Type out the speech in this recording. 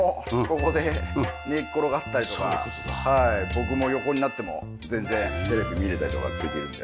僕も横になっても全然テレビ見れたりとかするんで。